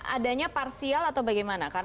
adanya parsial atau bagaimana